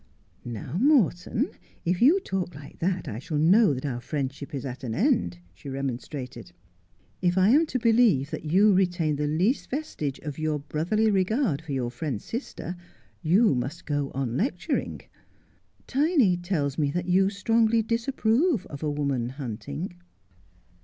' Now, Morton, if you talk like that I shall know that our friendship is at an end,' she remonstrated. ' If I am to believe that you retain the least vestige of your brotherly regard for your friend's sister you must go on lecturing. Tiny tells me that you strongly disapprove of a woman hunting.'